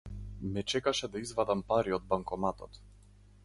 Ме чекаше да извадам пари од банкоматот.